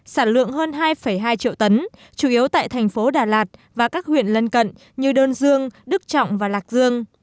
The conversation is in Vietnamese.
sản lượng hơn hai hai triệu tấn chủ yếu tại thành phố đà lạt và các huyện lân cận như đơn dương đức trọng và lạc dương